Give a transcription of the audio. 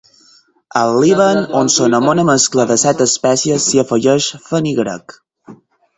Al Líban, on s'anomena mescla de set espècies, s'hi afegeix fenigrec.